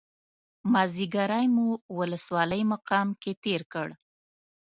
مازیګری مو ولسوالۍ مقام کې تېر کړ.